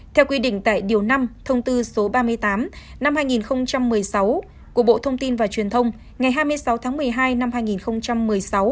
theo quy định tại điều năm thông tư số ba mươi tám năm hai nghìn một mươi sáu của bộ thông tin và truyền thông ngày hai mươi sáu tháng một mươi hai năm hai nghìn một mươi sáu